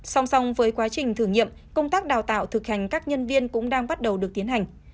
song song với quá trình thử nghiệm công tác đào tạo thực hành các nhân viên cũng đang bắt đầu được tiến hành